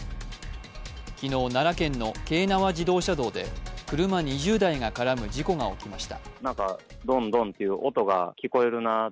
昨日、奈良県の京奈和自動車道で車２０台が絡む事故が起きました。